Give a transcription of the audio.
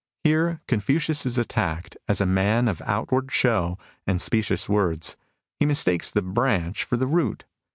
Here Confucius is attacked as '' a man of outward show and specious words. He mistakes the branch for the root."